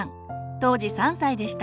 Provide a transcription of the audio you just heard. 当時３歳でした。